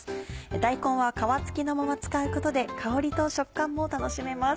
大根は皮付きのまま使うことで香りと食感も楽しめます。